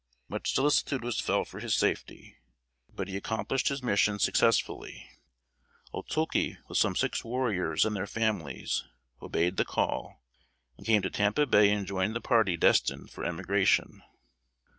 Much solicitude was felt for his safety, but he accomplished his mission successfully. Otulke, with some six warriors and their families, obeyed the call, and came to Tampa Bay and joined the party destined for emigration.